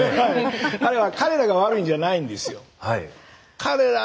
あれは彼らが悪いんじゃないんですよ。